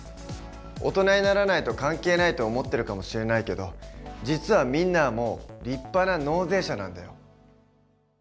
大人にならないと関係ないと思ってるかもしれないけど実はみんなはもう立派な納税者なんだよ。